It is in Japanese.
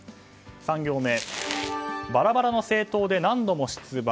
３行目、バラバラの政党で何度も出馬。